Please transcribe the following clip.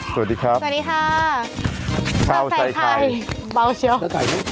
สวัสดีครับสวัสดีค่ะข้าวใส่ไข่เบาเชียว